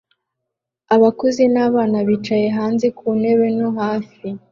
Abakuze n'abana bicaye hanze ku ntebe no hafi